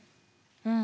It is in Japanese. うん。